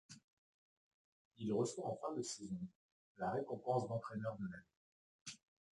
Il reçoit en fin de saison la récompense d’entraîneur de l'année.